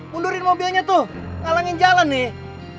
mundurin mobilnya tuh ngalangin jalan nih